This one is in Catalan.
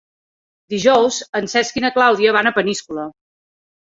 Dijous en Cesc i na Clàudia van a Peníscola.